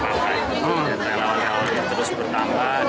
dan relawan relawan yang terus bertambah